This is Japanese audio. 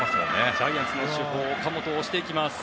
ジャイアンツの主砲岡本を押していきます。